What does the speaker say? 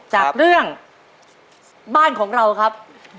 จากเรื่องบ้านของเราครับ